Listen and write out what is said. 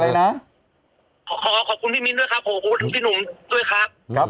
ขอขอขอบคุณพี่มิ้นด้วยครับขอบคุณพี่หนุ่มด้วยครับครับ